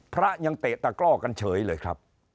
พระยังเตะตะกร่อกันเฉยเลยครับ